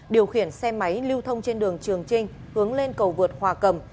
điều khiển xe máy lưu thông trên đường trường trinh hướng lên cầu vượt hòa cầm